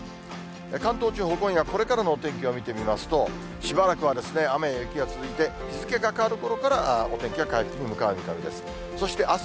関東地方、今夜これからのお天気を見てみますと、しばらくは雨や雪が続いて、日付が変わるころからお天気は回復に向かう見込みです。